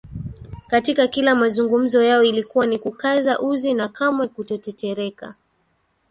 Katika kila mazungumzo yao ilikuwa ni kukaza uzi na kamwe kutotetereka